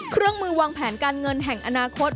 เครื่องมือวางแผนการเงินแห่งอนาคต